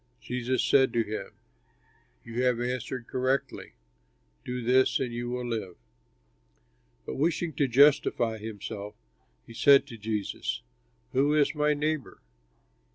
Jesus said to him, "You have answered correctly; do this and you will live." But wishing to justify himself he said to Jesus, "Who is my neighbor?"